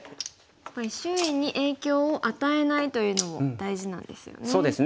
やっぱり周囲に影響を与えないというのも大事なんですよね。